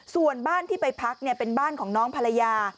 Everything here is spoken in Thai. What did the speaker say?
ส่วนบ้านที่ไปพักเป็นบ้านของน้องภรรยา